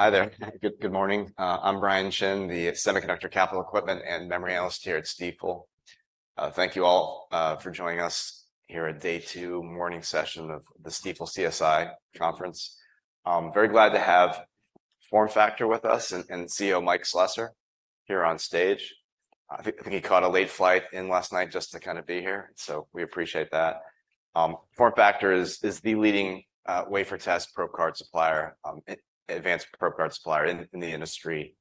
Hi there. Good morning. I'm Brian Chin, the semiconductor capital equipment and memory analyst here at Stifel. Thank you all for joining us here at day two morning session of the Stifel CSI Conference. I'm very glad to have FormFactor with us, and CEO Mike Slessor here on stage. I think he caught a late flight in last night just to kind of be here, so we appreciate that. FormFactor is the leading wafer test probe card supplier, an advanced probe card supplier in the industry,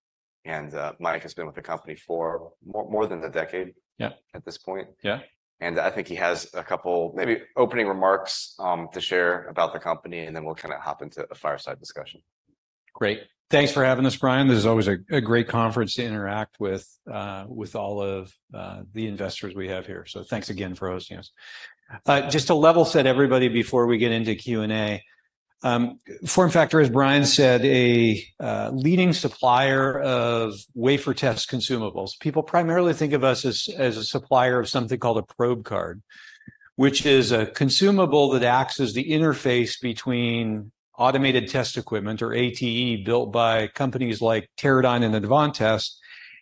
and Mike has been with the company for more than a decade- Yeah. at this point. Yeah. I think he has a couple, maybe opening remarks, to share about the company, and then we'll kind of hop into a fireside discussion. Great. Thanks for having us, Brian. This is always a great conference to interact with all of the investors we have here. So thanks again for hosting us. Just to level set everybody before we get into Q&A, FormFactor, as Brian said, a leading supplier of wafer test consumables. People primarily think of us as a supplier of something called a probe card, which is a consumable that acts as the interface between automated test equipment, or ATE, built by companies like Teradyne and Advantest,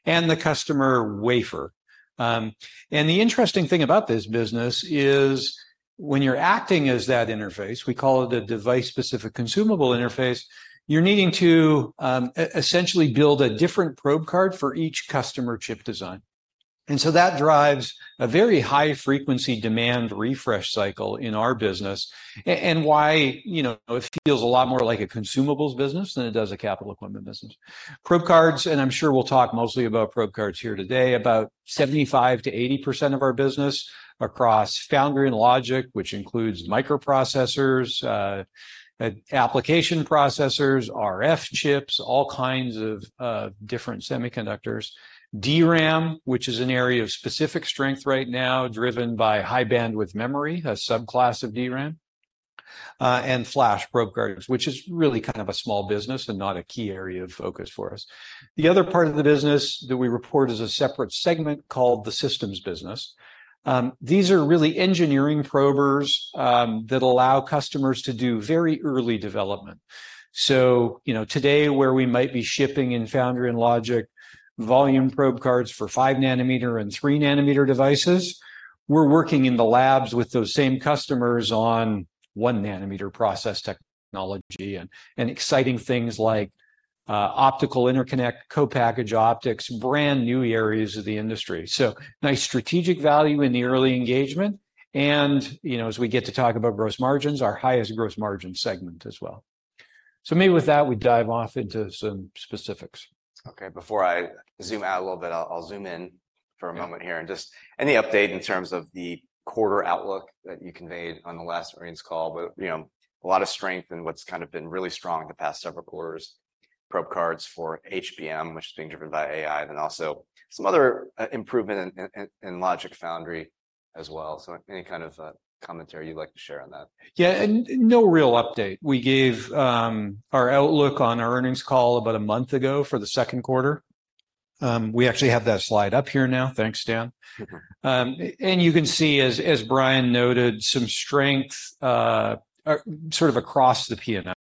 and the customer wafer. And the interesting thing about this business is, when you're acting as that interface, we call it a device-specific consumable interface, you're needing to essentially build a different probe card for each customer chip design. And so that drives a very high-frequency demand refresh cycle in our business, and why, you know, it feels a lot more like a consumables business than it does a capital equipment business. Probe cards, and I'm sure we'll talk mostly about probe cards here today, about 75%-80% of our business across foundry and logic, which includes microprocessors, application processors, RF chips, all kinds of different semiconductors. DRAM, which is an area of specific strength right now, driven by high-bandwidth memory, a subclass of DRAM, and flash probe cards, which is really kind of a small business and not a key area of focus for us. The other part of the business that we report as a separate segment called the systems business, these are really engineering probers that allow customers to do very early development. So, you know, today, where we might be shipping in foundry and logic, volume probe cards for five nanometer and three nanometer devices, we're working in the labs with those same customers on one nanometer process technology and exciting things like optical interconnect, co-packaged optics, brand-new areas of the industry. So nice strategic value in the early engagement and, you know, as we get to talk about gross margins, our highest gross margin segment as well. So maybe with that, we dive off into some specifics. Okay. Before I zoom out a little bit, I'll zoom in for a moment here. Yeah. Just any update in terms of the quarter outlook that you conveyed on the last earnings call, but, you know, a lot of strength in what's kind of been really strong in the past several quarters, probe cards for HBM, which is being driven by AI, then also some other improvement in, in, in logic foundry as well. So any kind of commentary you'd like to share on that? Yeah, and no real update. We gave our outlook on our earnings call about a month ago for the second quarter. We actually have that slide up here now. Thanks, Dan. Mm-hmm. And you can see, as Brian noted, some strength sort of across the P&L,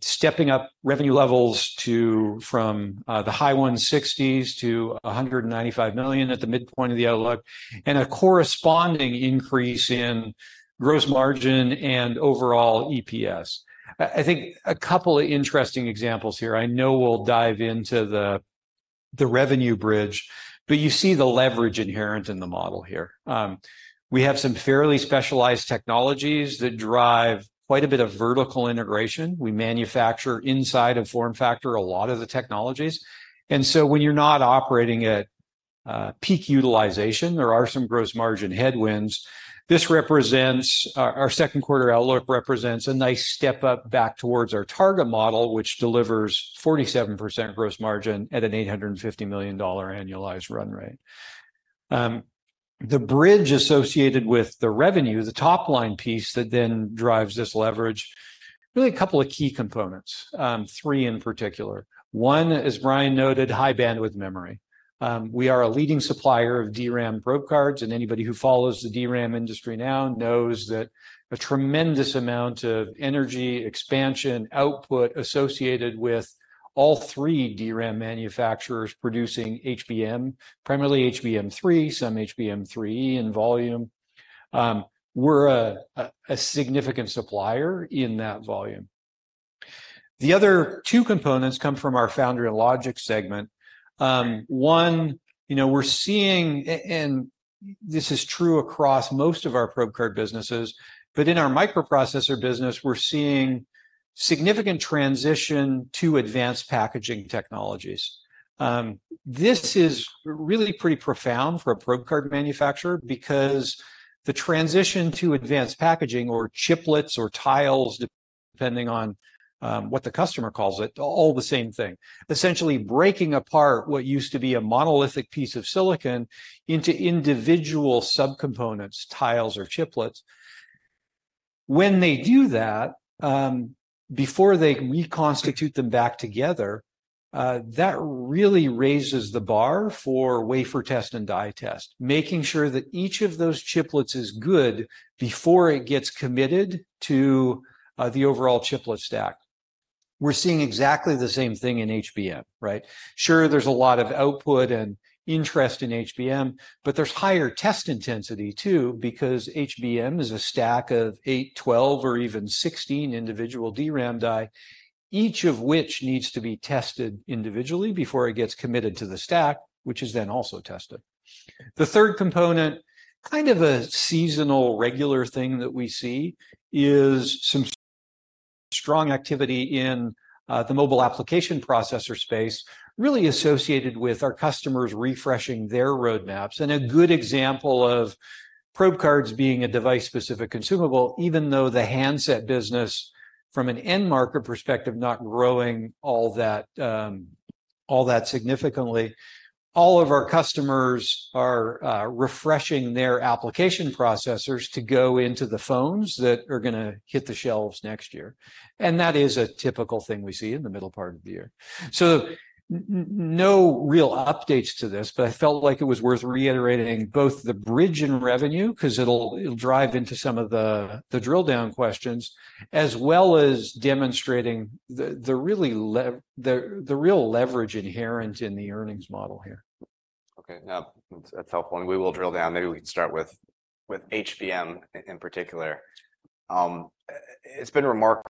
stepping up revenue levels from the high 160s to $195 million at the midpoint of the outlook, and a corresponding increase in gross margin and overall EPS. I think a couple of interesting examples here, I know we'll dive into the revenue bridge, but you see the leverage inherent in the model here. We have some fairly specialized technologies that drive quite a bit of vertical integration. We manufacture inside of FormFactor a lot of the technologies, and so when you're not operating at peak utilization, there are some gross margin headwinds. This represents. Our second quarter outlook represents a nice step up back towards our target model, which delivers 47% gross margin at an $850 million annualized run rate. The bridge associated with the revenue, the top-line piece that then drives this leverage, really a couple of key components, three in particular. One, as Brian noted, high-bandwidth memory. We are a leading supplier of DRAM probe cards, and anybody who follows the DRAM industry now knows that a tremendous amount of energy, expansion, output associated with all three DRAM manufacturers producing HBM, primarily HBM3, some HBM3 in volume. We're a significant supplier in that volume. The other two components come from our foundry and logic segment. You know, we're seeing and this is true across most of our probe card businesses, but in our microprocessor business, we're seeing significant transition to advanced packaging technologies. This is really pretty profound for a probe card manufacturer because the transition to advanced packaging or chiplets or tiles, depending on what the customer calls it, all the same thing. Essentially breaking apart what used to be a monolithic piece of silicon into individual subcomponents, tiles or chiplets. When they do that, before they reconstitute them back together, that really raises the bar for wafer test and die test, making sure that each of those chiplets is good before it gets committed to the overall chiplet stack. We're seeing exactly the same thing in HBM, right? Sure, there's a lot of output and interest in HBM, but there's higher test intensity, too, because HBM is a stack of 8, 12, or even 16 individual DRAM die, each of which needs to be tested individually before it gets committed to the stack, which is then also tested. The third component, kind of a seasonal, regular thing that we see, is some strong activity in the mobile application processor space, really associated with our customers refreshing their roadmaps. And a good example of probe cards being a device-specific consumable, even though the handset business, from an end market perspective, not growing all that significantly. All of our customers are refreshing their application processors to go into the phones that are gonna hit the shelves next year, and that is a typical thing we see in the middle part of the year. So no real updates to this, but I felt like it was worth reiterating both the bridge and revenue, 'cause it'll drive into some of the drill-down questions, as well as demonstrating the real leverage inherent in the earnings model here. Okay, now, that's helpful, and we will drill down. Maybe we can start with HBM in particular. It's been remarkable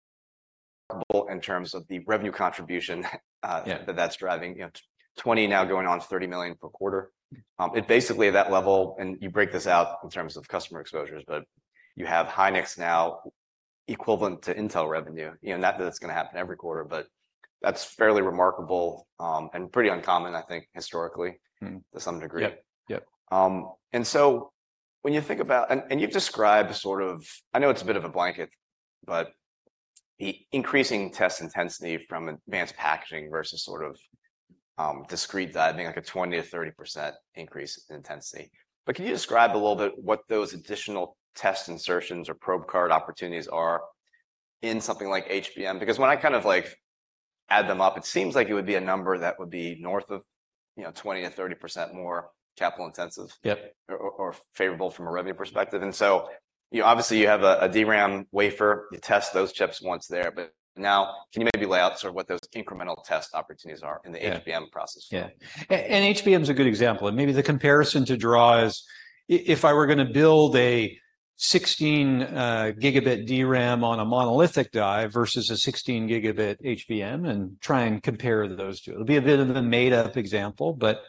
in terms of the revenue contribution- Yeah ..That that's driving, you know, 20 now, going on to 30 million per quarter. It basically that level, and you break this out in terms of customer exposures, but you have Hynix now equivalent to Intel revenue. You know, not that it's gonna happen every quarter, but that's fairly remarkable, and pretty uncommon, I think, historically- Mm-hmm To some degree. Yep, yep. and so when you think about. And you've described sort of, I know it's a bit of a blanket, but the increasing test intensity from advanced packaging versus sort of, discrete die, I think, like a 20%-30% increase in intensity. But can you describe a little bit what those additional test insertions or probe card opportunities are in something like HBM? Because when I kind of like add them up, it seems like it would be a number that would be north of, you know, 20%-30% more capital intensive- Yep Favourable from a revenue perspective. And so, you know, obviously, you have a DRAM wafer. You test those chips once there, but now, can you maybe lay out sort of what those incremental test opportunities are in the- Yeah HBM process? Yeah. And HBM is a good example, and maybe the comparison to draw is, if I were gonna build a 16-gigabit DRAM on a monolithic die versus a 16-gigabit HBM, and try and compare those two, it'll be a bit of a made-up example. But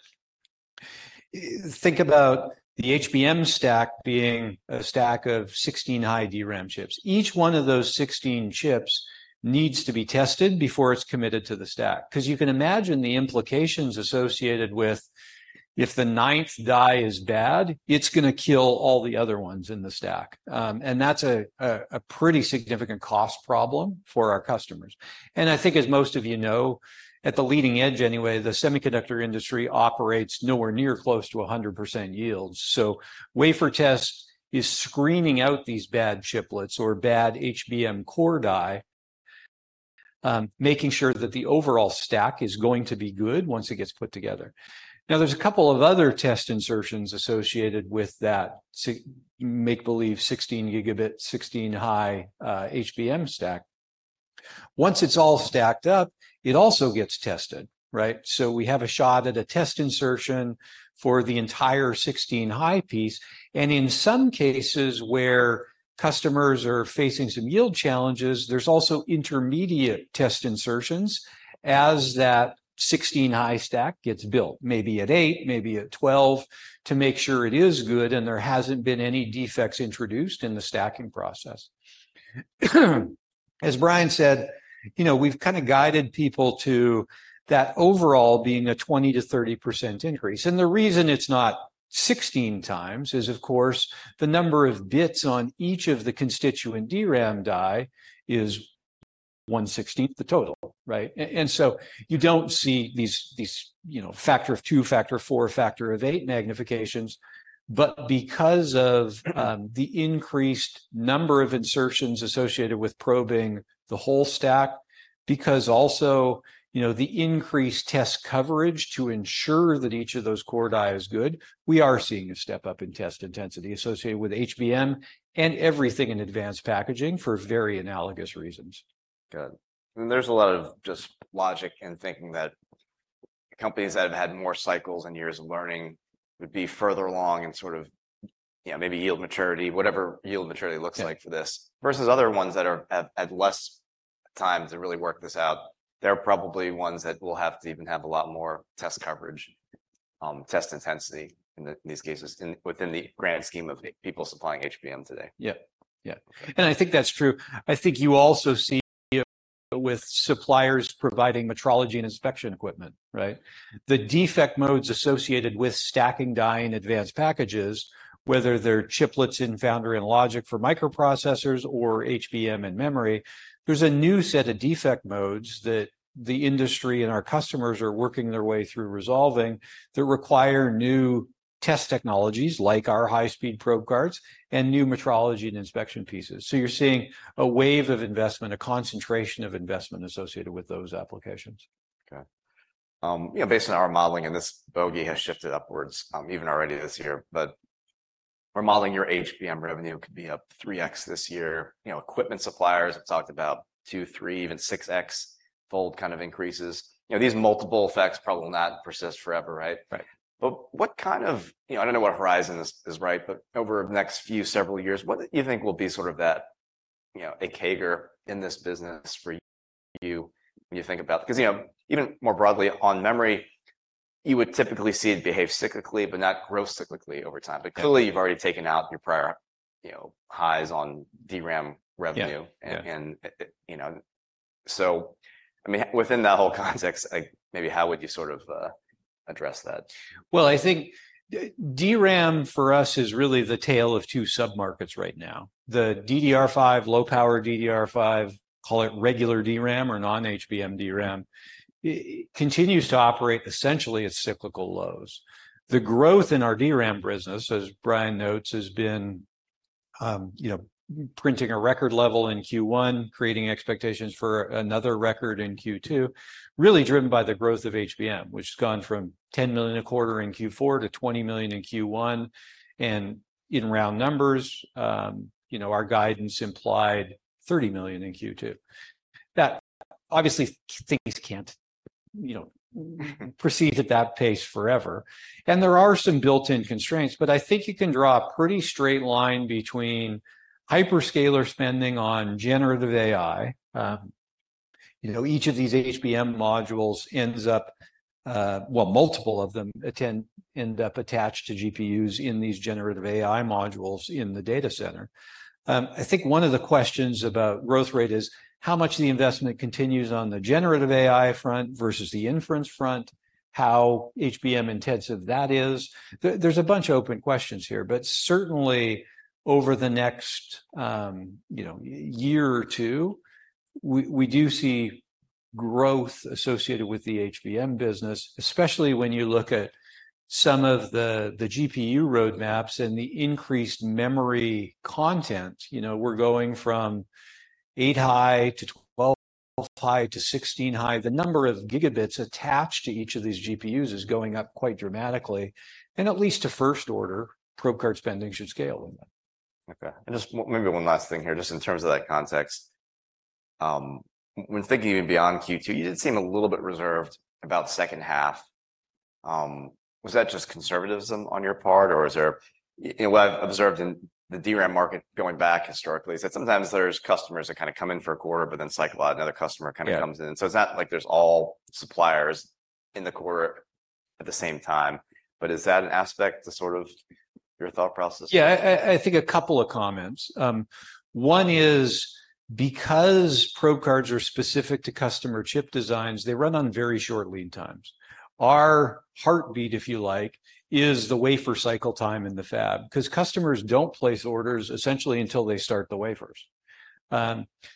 think about the HBM stack being a stack of 16-high DRAM chips. Each one of those 16 chips needs to be tested before it's committed to the stack. 'Cause you can imagine the implications associated with if the ninth die is bad, it's gonna kill all the other ones in the stack. And that's a pretty significant cost problem for our customers. And I think, as most of you know, at the leading edge anyway, the semiconductor industry operates nowhere near close to a 100% yields. Wafer test is screening out these bad chiplets or bad HBM core die, making sure that the overall stack is going to be good once it gets put together. Now, there's a couple of other test insertions associated with that make believe 16-gigabit, 16-high HBM stack. Once it's all stacked up, it also gets tested, right? So we have a shot at a test insertion for the entire 16-high piece, and in some cases where customers are facing some yield challenges, there's also intermediate test insertions as that 16-high stack gets built, maybe at 8, maybe at 12, to make sure it is good and there hasn't been any defects introduced in the stacking process. As Brian said, you know, we've kind of guided people to that overall being a 20%-30% increase, and the reason it's not 16 times is, of course, the number of bits on each of the constituent DRAM die is 1/16 the total, right? And so you don't see these, you know, factor of 2, factor of 4, factor of 8 magnifications. But because of the increased number of insertions associated with probing the whole stack, because also, you know, the increased test coverage to ensure that each of those core die is good, we are seeing a step up in test intensity associated with HBM and everything in advanced packaging for very analogous reasons. Good. There's a lot of just logic in thinking that companies that have had more cycles and years of learning would be further along in sort of, you know, maybe yield maturity, whatever yield maturity looks like- Yeah For this, versus other ones that are, have had less time to really work this out. They're probably ones that will have to even have a lot more test coverage, test intensity in the, in these cases, in, within the grand scheme of people supplying HBM today. Yep, yep, and I think that's true. I think you also see with suppliers providing metrology and inspection equipment, right? The defect modes associated with stacking die in advanced packages, whether they're chiplets in foundry and logic for microprocessors or HBM and memory, there's a new set of defect modes that the industry and our customers are working their way through resolving, that require new test technologies, like our high-speed probe cards, and new metrology and inspection pieces. So you're seeing a wave of investment, a concentration of investment associated with those applications. Okay. You know, based on our modeling, and this bogey has shifted upwards, even already this year, but we're modeling your HBM revenue could be up 3x this year. You know, equipment suppliers have talked about two, three, even 6x-fold kind of increases. You know, these multiple effects probably will not persist forever, right? Right. But what kind of—you know, I don't know what horizon is, is right, but over the next few several years, what do you think will be sort of that, you know, a CAGR in this business for you when you think about. 'Cause, you know, even more broadly, on memory, you would typically see it behave cyclically, but not grow cyclically over time. Yeah. Clearly, you've already taken out your prior, you know, highs on DRAM revenue. Yeah, yeah. And you know, so, I mean, within that whole context, like, maybe how would you sort of address that? Well, I think DRAM for us is really the tale of two sub-markets right now. The DDR5, low-power DDR5, call it regular DRAM or non-HBM DRAM, it continues to operate essentially at cyclical lows. The growth in our DRAM business, as Brian notes, has been, you know, printing a record level in Q1, creating expectations for another record in Q2, really driven by the growth of HBM, which has gone from $10 million a quarter in Q4 to $20 million in Q1. And in round numbers, you know, our guidance implied $30 million in Q2. That obviously, things can't, you know- Mm-hmm Proceed at that pace forever. There are some built-in constraints, but I think you can draw a pretty straight line between hyperscalers spending on generative AI. You know, each of these HBM modules ends up, well, multiple of them end up attached to GPUs in these generative AI modules in the data center. I think one of the questions about growth rate is: How much of the investment continues on the generative AI front versus the inference front? How HBM intensive that is? There's a bunch of open questions here, but certainly, over the next, you know, year or two, we do see growth associated with the HBM business, especially when you look at some of the GPU roadmaps and the increased memory content. You know, we're going from 8-high to 12-high to 16-high. The number of gigabits attached to each of these GPUs is going up quite dramatically, and at least to first order, probe card spending should scale with them. Okay, and just maybe one last thing here, just in terms of that context. When thinking even beyond Q2, you did seem a little bit reserved about second half. Was that just conservatism on your part, or is there. You know, what I've observed in the DRAM market going back historically, is that sometimes there's customers that kind of come in for a quarter, but then cycle out, another customer kind of comes in. Yeah. It's not like there's all suppliers in the quarter at the same time, but is that an aspect to sort of your thought process? Yeah, I think a couple of comments. One is because probe cards are specific to customer chip designs, they run on very short lead times. Our heartbeat, if you like, is the wafer cycle time in the fab, 'cause customers don't place orders essentially until they start the wafers.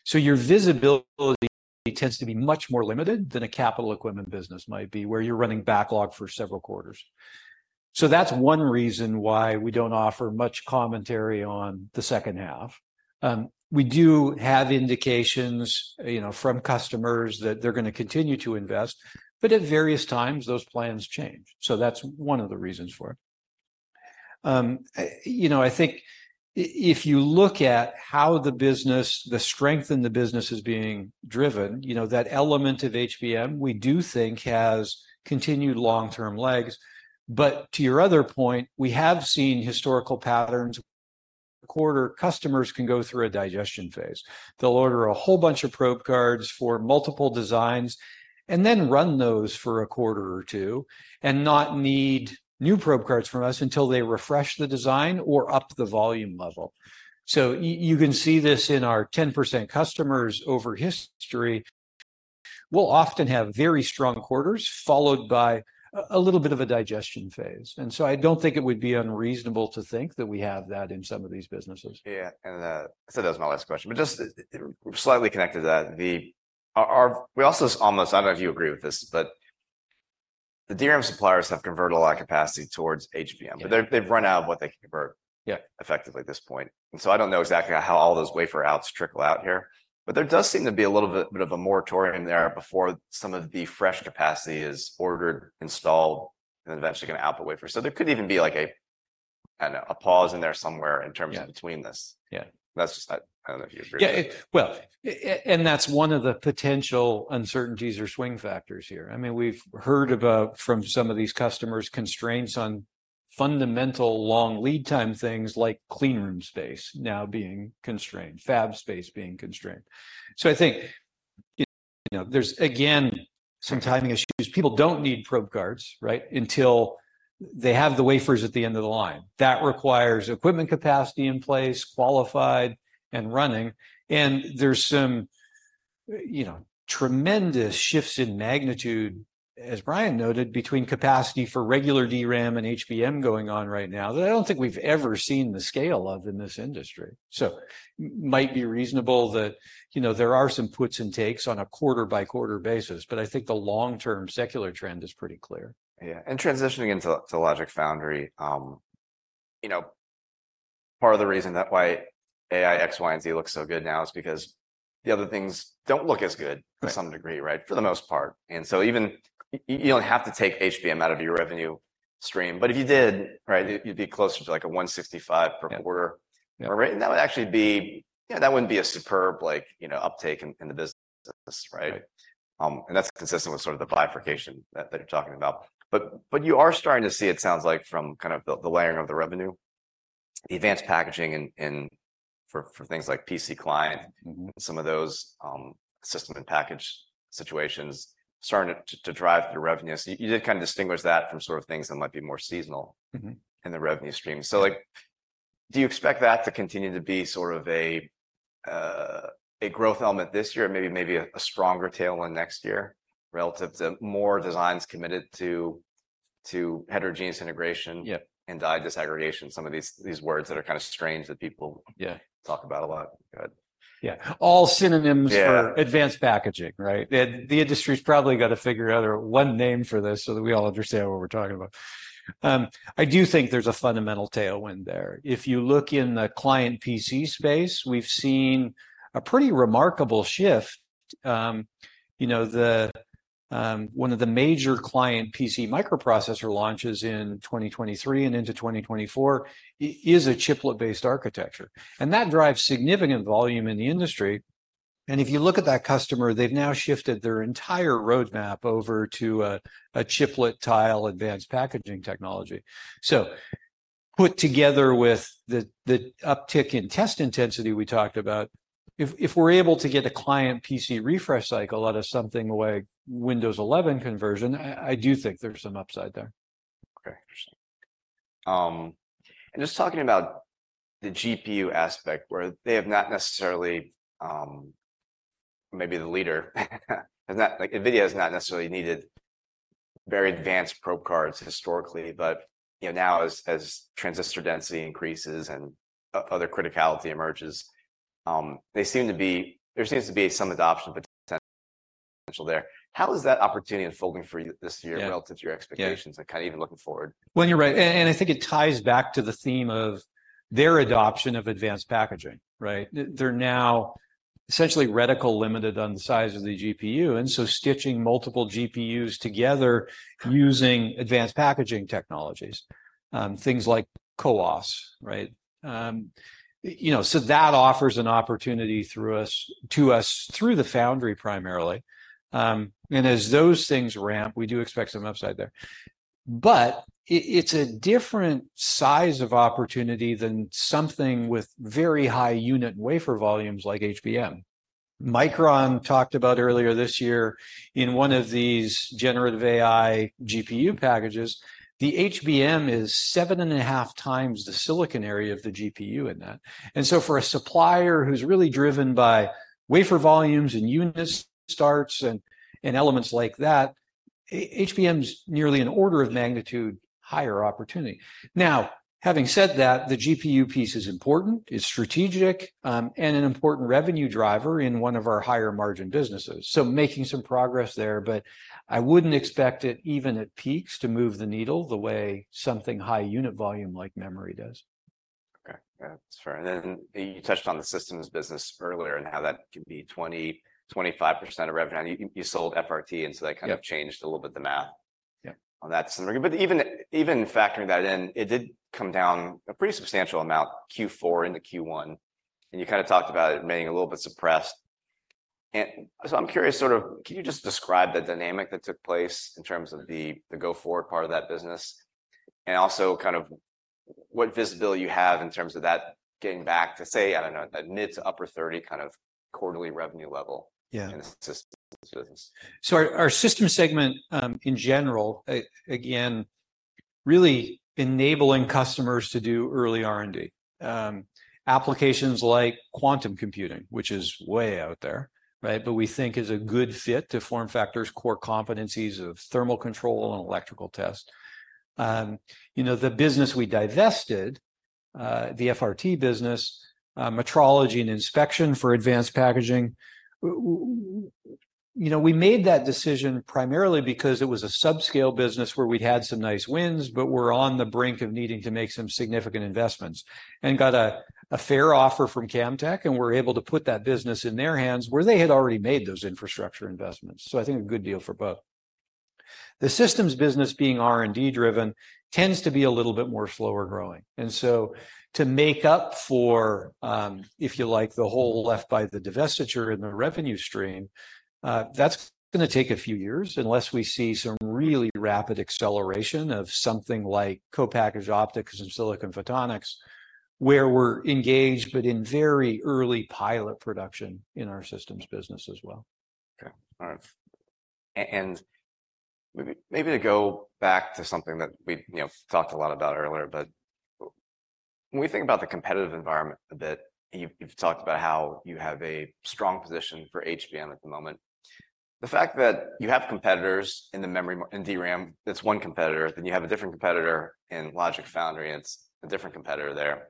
So your visibility tends to be much more limited than a capital equipment business might be, where you're running backlog for several quarters. So that's one reason why we don't offer much commentary on the second half. We do have indications, you know, from customers that they're gonna continue to invest, but at various times, those plans change. So that's one of the reasons for it. You know, I think if you look at how the business, the strength in the business is being driven, you know, that element of HBM, we do think has continued long-term legs. But to your other point, we have seen historical patterns. Quarter customers can go through a digestion phase. They'll order a whole bunch of probe cards for multiple designs, and then run those for a quarter or two, and not need new probe cards from us until they refresh the design or up the volume level. So you can see this in our 10% customers over history, we'll often have very strong quarters, followed by a little bit of a digestion phase, and so I don't think it would be unreasonable to think that we have that in some of these businesses. Yeah, and so that was my last question, but just slightly connected to that. Are we also almost? I don't know if you agree with this, but the DRAM suppliers have converted a lot of capacity towards HBM. Yeah. But they've run out of what they can convert- Yeah Effectively at this point. So I don't know exactly how all those wafer outs trickle out here, but there does seem to be a little bit of a moratorium there before some of the fresh capacity is ordered, installed, and eventually going to output wafer. So there could even be like a, I don't know, a pause in there somewhere in terms- Yeah Between this. Yeah. That's just that, I don't know if you agree. Yeah, well, and that's one of the potential uncertainties or swing factors here. I mean, we've heard about, from some of these customers, constraints on fundamental long lead time things like clean room space now being constrained, fab space being constrained. So I think, you know, there's again, some timing issues. People don't need probe cards, right, until they have the wafers at the end of the line. Yeah. That requires equipment capacity in place, qualified and running, and there's some, you know, tremendous shifts in magnitude, as Brian noted, between capacity for regular DRAM and HBM going on right now, that I don't think we've ever seen the scale of in this industry. So might be reasonable that, you know, there are some puts and takes on a quarter-by-quarter basis, but I think the long-term secular trend is pretty clear. Yeah, and transitioning into to Logic Foundry, you know, part of the reason that why AI, X, Y, and Z looks so good now is because the other things don't look as good- Right. - to some degree, right? For the most part. And so even you, you don't have to take HBM out of your revenue stream, but if you did, right, you, you'd be closer to, like, a $165 per quarter. Yeah. Right? And that would actually be, yeah, that wouldn't be a superb, like, you know, uptake in the business, right? Right. And that's consistent with sort of the bifurcation that, that you're talking about. But, but you are starting to see, it sounds like, from kind of the, the layering of the revenue, the advanced packaging and, and for, for things like PC client- Mm-hmm. - some of those System-in-Package situations starting to drive your revenue. So you did kinda distinguish that from sort of things that might be more seasonal- Mm-hmm In the revenue stream. So, like, do you expect that to continue to be sort of a, a growth element this year, maybe, maybe a, a stronger tailwind next year relative to more designs committed to, to heterogeneous integration- Yeah and die disaggregation, some of these, these words that are kinda strange that people- Yeah Talk about a lot? Go ahead. Yeah. All synonyms for- Yeah Advanced packaging, right? The industry's probably gotta figure out one name for this so that we all understand what we're talking about. I do think there's a fundamental tailwind there. If you look in the client PC space, we've seen a pretty remarkable shift. You know, the one of the major client PC microprocessor launches in 2023 and into 2024 is a chiplet-based architecture, and that drives significant volume in the industry. And if you look at that customer, they've now shifted their entire roadmap over to a chiplet tile advanced packaging technology. So put together with the uptick in test intensity we talked about, if we're able to get a client PC refresh cycle out of something like Windows 11 conversion, I do think there's some upside there. Okay. Interesting. And just talking about the GPU aspect, where they have not necessarily maybe the leader. Like, NVIDIA has not necessarily needed very advanced probe cards historically, but, you know, now as transistor density increases and other criticality emerges, there seems to be some adoption potential there. How is that opportunity unfolding for you this year? Yeah Relative to your expectations- Yeah and kind of even looking forward? Well, you're right, and, and I think it ties back to the theme of their adoption of advanced packaging, right? They're now essentially reticle limited on the size of the GPU, and so stitching multiple GPUs together using advanced packaging technologies, things like CoWoS, right? You know, so that offers an opportunity through us, to us through the foundry, primarily. And as those things ramp, we do expect some upside there. But it's a different size of opportunity than something with very high unit wafer volumes like HBM. Micron talked about earlier this year, in one of these generative AI GPU packages, the HBM is 7.5 times the silicon area of the GPU in that. And so for a supplier who's really driven by wafer volumes and unit starts and, and elements like that, HBM's nearly an order of magnitude higher opportunity. Now, having said that, the GPU piece is important, it's strategic, and an important revenue driver in one of our higher margin businesses, so making some progress there, but I wouldn't expect it, even at peaks, to move the needle the way something high unit volume like memory does. Okay. Yeah, that's fair. And then you touched on the systems business earlier, and how that could be 20-25% of revenue. You sold FRT, and so that- Yeah Kind of changed a little bit the math- Yeah On that scenario. But even factoring that in, it did come down a pretty substantial amount, Q4 into Q1, and you kind of talked about it being a little bit suppressed. And so I'm curious, sort of, can you just describe the dynamic that took place in terms of the go-forward part of that business? And also, kind of what visibility you have in terms of that getting back to, say, I don't know, mid- to upper-30 kind of quarterly revenue level? Yeah In the systems business. So our systems segment, in general, again, really enabling customers to do early R&D, applications like quantum computing, which is way out there, right? But we think is a good fit to FormFactor's core competencies of thermal control and electrical test. You know, the business we divested, the FRT business, metrology and inspection for advanced packaging, you know, we made that decision primarily because it was a subscale business where we'd had some nice wins, but were on the brink of needing to make some significant investments. Mm-hmm. Got a fair offer from Camtek, and we're able to put that business in their hands, where they had already made those infrastructure investments, so I think a good deal for both. The systems business, being R&D-driven, tends to be a little bit more slower growing, and so to make up for, if you like, the hole left by the divestiture in the revenue stream, that's gonna take a few years, unless we see some really rapid acceleration of something like co-packaged optics and silicon photonics, where we're engaged, but in very early pilot production in our systems business as well. Okay. All right. And maybe to go back to something that we, you know, talked a lot about earlier, but when we think about the competitive environment a bit, you've talked about how you have a strong position for HBM at the moment. The fact that you have competitors in the memory—in DRAM, that's one competitor, then you have a different competitor in logic foundry, it's a different competitor there.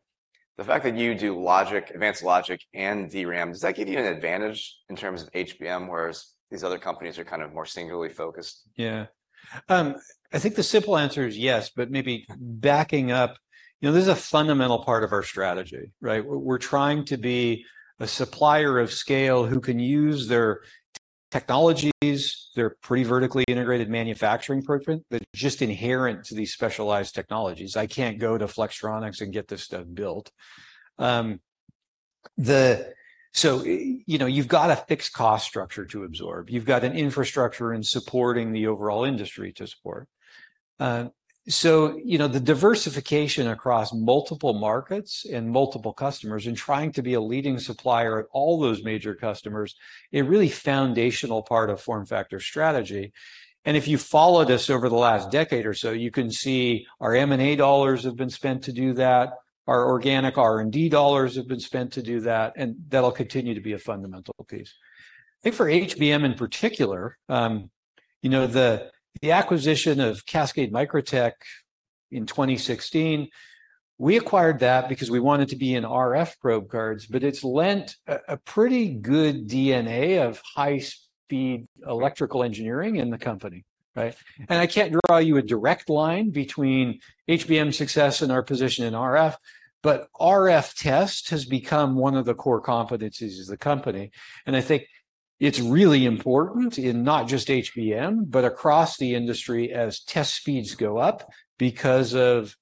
The fact that you do logic, advanced logic, and DRAM, does that give you an advantage in terms of HBM, whereas these other companies are kind of more singularly focused? Yeah. I think the simple answer is yes, but maybe backing up, you know, this is a fundamental part of our strategy, right? We're, we're trying to be a supplier of scale who can use their technologies, their pretty vertically integrated manufacturing footprint, that are just inherent to these specialized technologies. I can't go to Flextronics and get this stuff built. So, you know, you've got a fixed cost structure to absorb. You've got an infrastructure and supporting the overall industry to support. So, you know, the diversification across multiple markets and multiple customers and trying to be a leading supplier at all those major customers, a really foundational part of FormFactor's strategy. And if you followed us over the last decade or so, you can see our M&A dollars have been spent to do that, our organic R&D dollars have been spent to do that, and that'll continue to be a fundamental piece. I think for HBM, in particular, you know, the acquisition of Cascade Microtech in 2016, we acquired that because we wanted to be in RF probe cards, but it's lent a pretty good DNA of high-speed electrical engineering in the company, right? And I can't draw you a direct line between HBM's success and our position in RF, but RF test has become one of the core competencies of the company. I think it's really important in not just HBM, but across the industry as test speeds go up because of,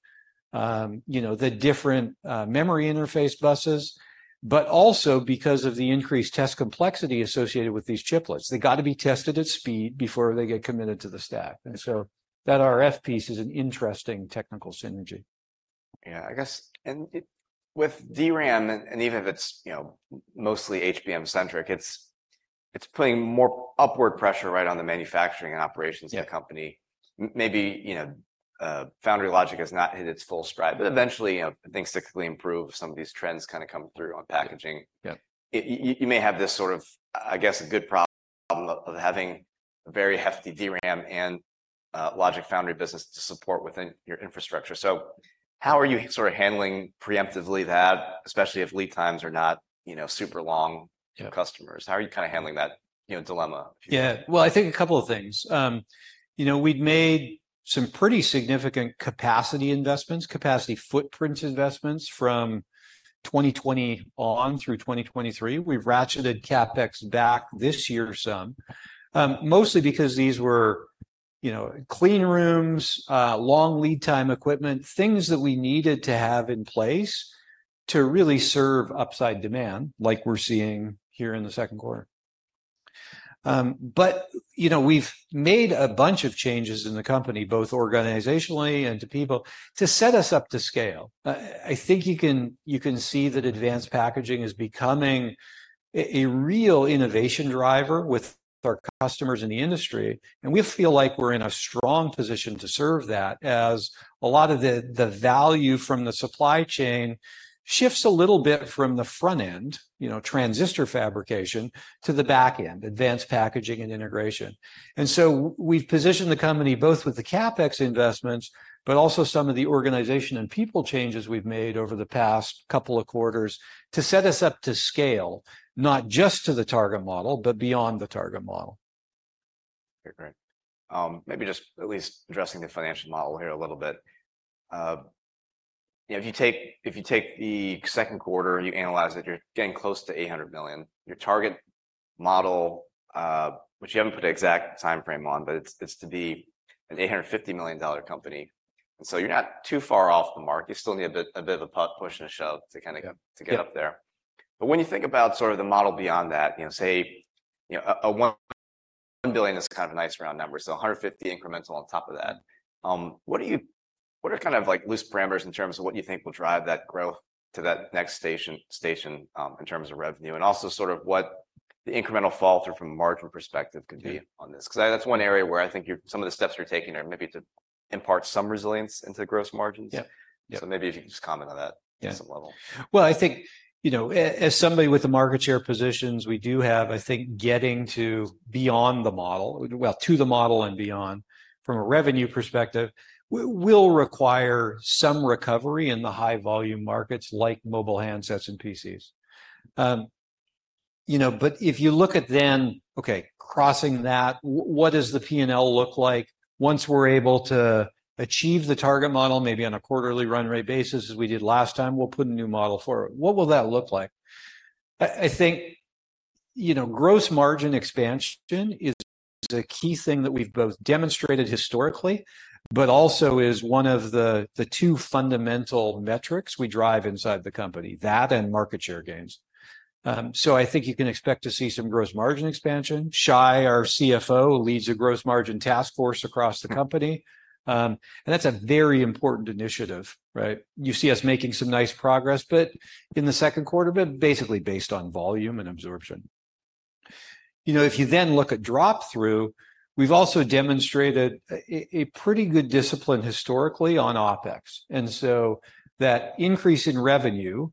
you know, the different memory interface buses, but also because of the increased test complexity associated with these chiplets. They've got to be tested at speed before they get committed to the stack, and so that RF piece is an interesting technical synergy. Yeah, I guess. And with DRAM, and even if it's, you know, mostly HBM-centric, it's putting more upward pressure right on the manufacturing and operations- Yeah Of the company. Maybe, you know, foundry logic has not hit its full stride- Mm-hmm. but eventually, you know, things typically improve. Some of these trends kinda come through on packaging. Yeah. You may have this sort of, I guess, a good problem of having a very hefty DRAM and logic foundry business to support within your infrastructure. So how are you sort of handling preemptively that, especially if lead times are not, you know, super long- Yeah For customers? How are you kinda handling that, you know, dilemma? Yeah. Well, I think a couple of things. You know, we'd made some pretty significant capacity investments, capacity footprint investments, from 2020 on through 2023. We ratcheted CapEx back this year some, mostly because these were, you know, clean rooms, long lead time equipment, things that we needed to have in place to really serve upside demand, like we're seeing here in the second quarter. But, you know, we've made a bunch of changes in the company, both organizationally and to people, to set us up to scale. I think you can see that advanced packaging is becoming a real innovation driver with our customers in the industry, and we feel like we're in a strong position to serve that, as a lot of the value from the supply chain shifts a little bit from the front end, you know, transistor fabrication, to the back end, advanced packaging and integration. And so we've positioned the company both with the CapEx investments, but also some of the organization and people changes we've made over the past couple of quarters to set us up to scale, not just to the target model, but beyond the target model. Great. Great. Maybe just at least addressing the financial model here a little bit. You know, if you take, if you take the second quarter, and you analyze it, you're getting close to $800 million. Your target model, which you haven't put an exact timeframe on, but it's, it's to be an $850 million dollar company, and so you're not too far off the mark. You still need a bit, a bit of a push and a shove to kinda- Yeah To get up there. But when you think about sort of the model beyond that, you know, say, you know, a $1 billion is kind of a nice round number, so $150 million incremental on top of that. What are kind of like loose parameters in terms of what you think will drive that growth to that next station in terms of revenue, and also sort of what the incremental fall through from a margin perspective could be? Yeah On this? Because that's one area where I think some of the steps you're taking are maybe to impart some resilience into the gross margins. Yeah. Yeah. Maybe if you could just comment on that- Yeah At some level. Well, I think, you know, as somebody with the market share positions we do have, I think getting to beyond the model, well, to the model and beyond, from a revenue perspective, will require some recovery in the high-volume markets like mobile handsets and PCs. You know, but if you look at then, okay, crossing that, what does the P&L look like once we're able to achieve the target model, maybe on a quarterly run rate basis, as we did last time? We'll put a new model for it. What will that look like? I, I think, you know, gross margin expansion is the key thing that we've both demonstrated historically, but also is one of the two fundamental metrics we drive inside the company, that and market share gains. So I think you can expect to see some gross margin expansion. Shai, our CFO, leads a gross margin task force across the company. That's a very important initiative, right? You see us making some nice progress, but in the second quarter, basically based on volume and absorption. You know, if you then look at drop through, we've also demonstrated a pretty good discipline historically on OpEx, and so that increase in revenue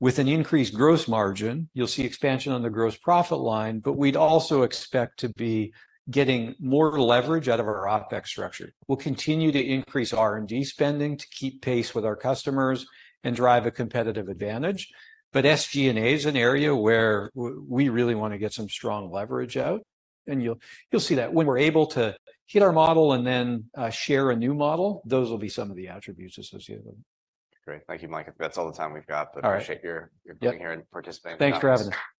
with an increased gross margin, you'll see expansion on the gross profit line, but we'd also expect to be getting more leverage out of our OpEx structure. We'll continue to increase R&D spending to keep pace with our customers and drive a competitive advantage, but SG&A is an area where we really want to get some strong leverage out, and you'll see that. When we're able to hit our model and then, share a new model, those will be some of the attributes associated with it. Great. Thank you, Mike. That's all the time we've got- All right. but I appreciate your being here. Yep And participating. Thanks for having me.